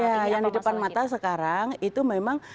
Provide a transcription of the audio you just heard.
ya yang di depan mata sekarang itu memang